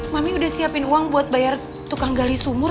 mami udah siapin uang buat bayar tukang gali sumur